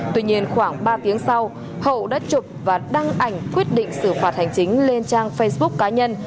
tuy nhiên khoảng ba tiếng sau hậu đã chụp và đăng ảnh quyết định xử phạt hành chính lên trang facebook cá nhân